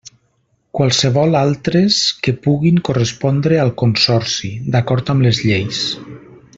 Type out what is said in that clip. Qualssevol altres que puguin correspondre al Consorci, d'acord amb les lleis.